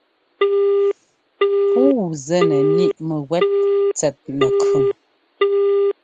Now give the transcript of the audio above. Puu zɛ́ nɛ ŋíʼ mɛ́gúɛ́t tsɛt nɛkʉn.